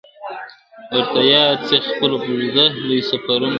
ورته یاد سي خپل اوږده لوی سفرونه ..